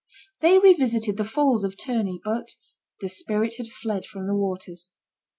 They revisited the Falls of Terni, but the spirit had fled from the waters.